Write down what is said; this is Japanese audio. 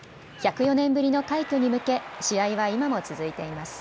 １０４年ぶりの快挙に向け試合は今も続いています。